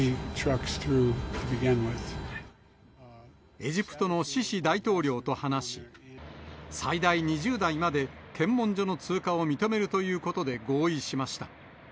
エジプトのシシ大統領と話し、最大２０台まで検問所の通過を認めるということで合意しました。